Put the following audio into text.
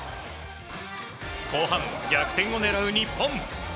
後半、逆転を狙う日本。